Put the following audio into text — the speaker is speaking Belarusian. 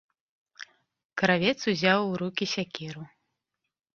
Кравец узяў у рукі сякеру.